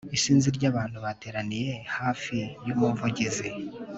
Isinzi ryabantu bateraniye hafi yumuvugizi